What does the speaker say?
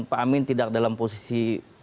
pak amin tidak dalam posisi